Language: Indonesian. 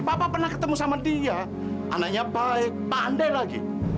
papa pernah ketemu sama dia anaknya baik pandai lagi